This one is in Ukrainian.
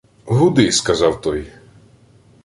— Гуди, — сказав той.